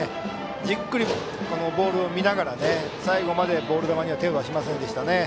じっくりボールを見ながら最後までボール球に手を出しませんでした。